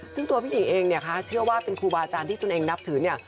ซึ่งตัวพี่หญิงเองเชื่อว่าเป็นครูบาอาจารย์ที่ทุนเองนับถือ